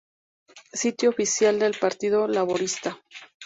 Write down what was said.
Sitio oficial del Partido Laborista